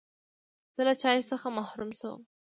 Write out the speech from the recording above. زه له چای څخه محروم شوم.